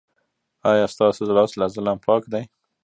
ایا ستاسو لاس له ظلم پاک دی؟